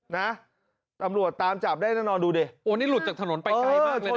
น่ะตำลัวตามจับได้นะนอนดูนี่หลุดจากถนนไปไกลมากเลยน่ะ